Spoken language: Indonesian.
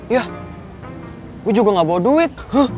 yah gue juga gak bawa duit